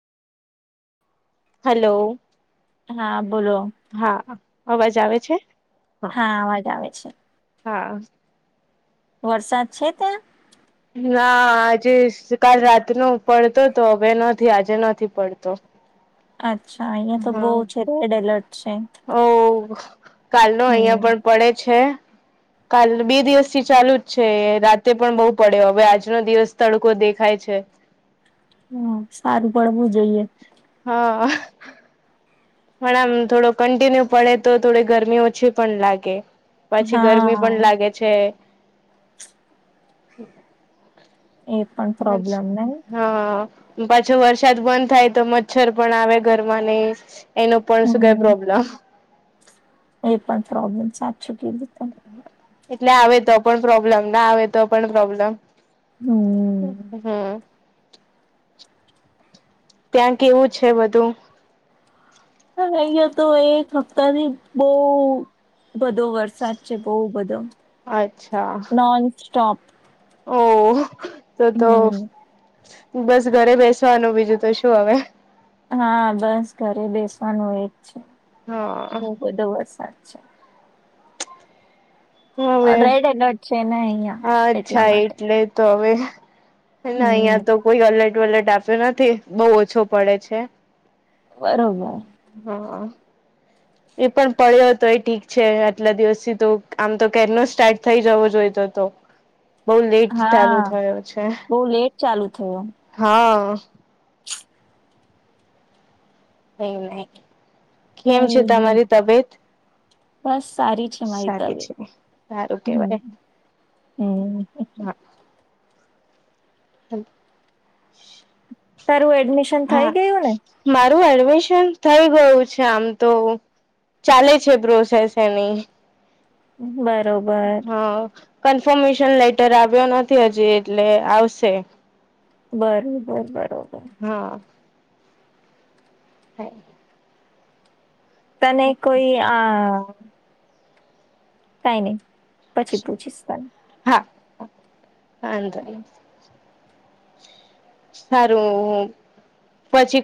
Hello હા, બોલો હા, અવાજ આવે છે હા, અવાજ આવે છે. હા. વરસાદ છે ત્યાં? ના.. આજે કાલ રાતનો પડતો તો હવે નથી, આજે નથી પડતો [unintelligible] અચ્છા અહિયાં તો બહુ છે રેડ એલર્ટ છે ઓહ કાલ નો અહિયા હમ પણ પડે છે કાલ બે દિવસથી ચાલુ જ છે, રાતે પણ બહુ પડ્યો, હવે આજનો દિવસ તડકો દેખાય છે. હા, સારું પડવું જોઈએ હા. પણ આમ થોડો કન્ટિન્યુ પડે તો થોડી ગરમી ઓછી પણ લાગે પછી ગરમી હા પણ લાગે છે. એ પણ અને પ્રોબ્લેમ નહી હા પાછો વરસાદ બંધ થાય તો મચ્છર પણ આવે ઘરમાં નઈ જ એનો પણ શું કઈ હમ પ્રોબ્લેમ. એ પણ પ્રોબ્લેમ સાચું કેની પણ એટલે, આવે તો પણ પ્રોબ્લેમ ના, આવે તો પણ પ્રોબ્લેમ હમ્મ હમ્મ ત્યાં કેવું છે બધું? અહિયા તો એક હપ્તાથી બઉ બધો વરસાદ છે બહુ બધો નોન સ્ટોપ ઓહ! તો તો હમ બસ ઘરે બેસવાનું બીજું તો શું હવે હા બસ ઘરે બેસવાનું એજ છે, હા બહુ બધો વરસાદ છે હવે રેડ એલર્ટ છે ને અહિયા, એટલા અચ્છા માટે એટલે તો હવે હમ અહિયાં તો કોઈ અલટ વલટ આપ્યો નથી બહુ ઓછો પડે છે બરોબર હા એ પણ પડ્યો હતો એ ઠીક છે આટલા દિવસથી તો આમ તો કેરનો સ્ટાર્ટ થઈ જવો જોઈતો હતો બહુ લેટ ચાલુ હા થયો છે બહુ લેટ ચાલુ થયો હા હમમ અ કેમ છે બરાબર. તમારી તબિયત? બસ સારી છે મારી સારી તબિયત છે સારું હમમ. કેવાય હમમ. હા તારું એડમિશન હા. થઈ ગયું ને મારું એડમિશન થઈ ગયું છે આમ તો ચાલે છે પ્રોસેસ એની બરોબર. હા કન્ફર્મેશન લેટર આવ્યો નથી હજી એટલે આવશે. બરોબર બરોબર. હા. હાય. તને કઈ આ કાઈ નહી. પછી પૂછીશ તને હાં હા વાંધો ની. સારું હું પછી